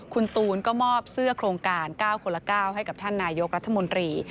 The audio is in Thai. คุณตูนก็มอบเสื้อโครงการ๙คนละ๙ให้กับท่านนายกรัฐมนตรี